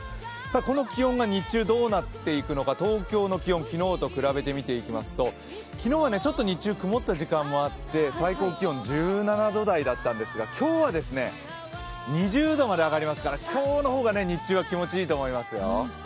この気温が日中どうなっていくのか、東京の気温、昨日と比べて見ていきますと昨日は日中曇った時間もあって最高気温１７度台だったんですが、今日は、２０度まで上がりますから今日の方が、日中は気持ちいいと思いますよ。